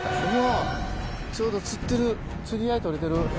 ちょうど釣ってる釣り合いとれてる。